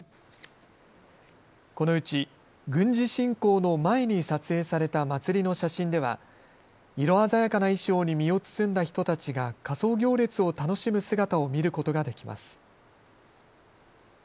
このうち軍事侵攻の前に撮影された祭りの写真では色鮮やかな衣装に身を包んだ人たちが仮装行列を楽しむ姿を見ることができます。